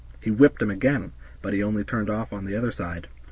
He whipped him again, but the pony turned off on the other side.